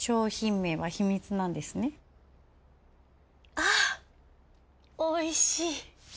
あおいしい。